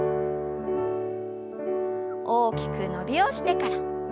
大きく伸びをしてから。